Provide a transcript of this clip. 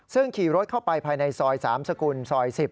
ซึ่งขี่รถเข้าไปภายในซอยสามสกุลซอย๑๐